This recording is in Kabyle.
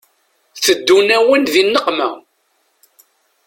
Teddun-awen di nneqma